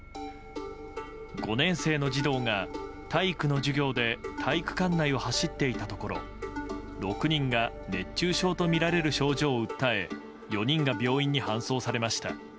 ５年生の児童が体育の授業で体育館内を走っていたところ６人が熱中症とみられる症状を訴え４人が病院に搬送されました。